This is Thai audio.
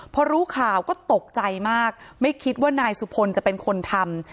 พอรู้ข่าวก็ตกใจมากไม่คิดว่านายสุพลจะเป็นคนทำ